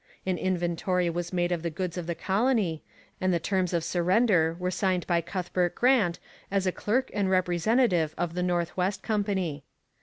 An inventory was made of the goods of the colony, and the terms of surrender were signed by Cuthbert Grant as a clerk and representative of the North West Company.